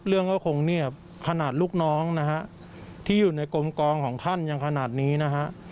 เรื่องก็คงเงียบขนาดลูกน้องนะฮะที่อยู่ในกลมกองของท่านยังขนาดนี้นะฮะ